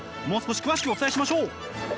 もう少し詳しくお伝えしましょう。